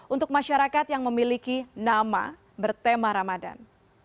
untuk masyarakat yang memiliki nama bertema ramadan